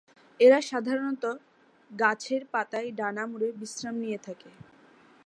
এরা সাধারণত গাছের পাতায় ডানা মুড়ে বিশ্রাম নিয়ে থাকে।